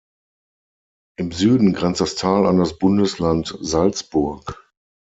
Im Süden grenzt das Tal an das Bundesland Salzburg.